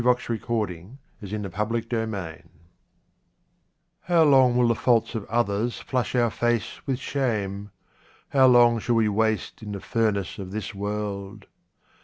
73 QUATRAINS OF OMAR KHAYYAM How long will the faults of others flush our face with shame ? How long shall we waste in the furnace of this world